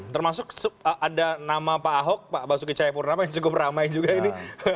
termasuk ada nama pak ahok pak basuki cahayapurnama yang cukup ramai juga ini